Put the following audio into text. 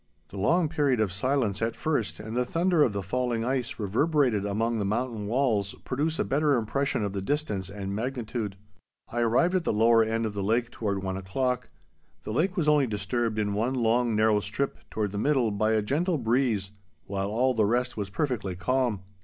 The long period of silence at first and the thunder of the falling ice reverberated among the mountain walls produce a better impression of the distance and magnitude. I arrived at the lower end of the lake toward one o'clock. The lake was only disturbed in one long narrow strip toward the middle by a gentle breeze while all the rest was perfectly calm.